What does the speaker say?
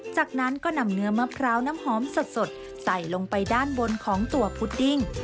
จากนั้นก็นำเนื้อมะพร้าวน้ำหอมสดใส่ลงไปด้านบนของตัวพุดดิ้ง